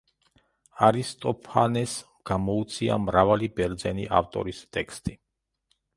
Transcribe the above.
არისტოფანეს გამოუცია მრავალი ბერძენი ავტორის ტექსტი.